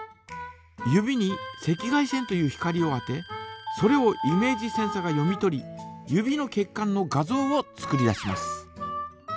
指に赤外線という光を当てそれをイメージセンサが読み取り指の血管の画像を作り出します。